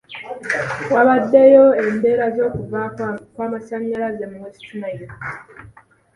Wabaddewo embeera z'okuvaako kw'amasanyalaze mu West Nile.